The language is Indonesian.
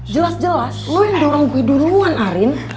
jelas jelas lo yang dorong widu duluan arin